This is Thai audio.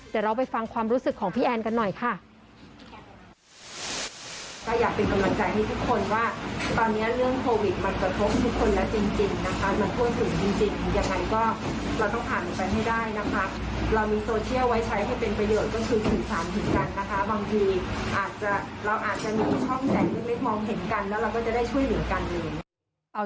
เดี๋ยวเราไปฟังความรู้สึกของพี่แอนกันหน่อยค่ะ